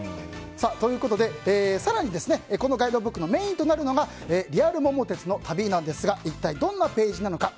更にこのガイドブックのメインとなるのがリアル桃鉄の旅ですが一体どんなページなのか。